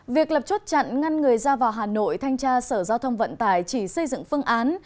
việc lập chốt chặn ngăn người ra vào hà nội thanh tra sở giao thông vận tải chỉ xây dựng phương án